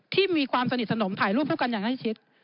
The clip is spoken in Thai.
มีความสนิทสนมถ่ายรูปคู่กันอย่างใกล้ชิด